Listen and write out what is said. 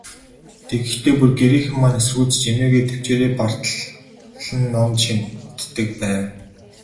Тэгэхдээ, бүр гэрийнхэн маань эсэргүүцэж, эмээгээ тэвчээрээ бартал нь номд шимтдэг байв.